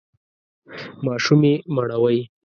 ماشوم یې مړوئ!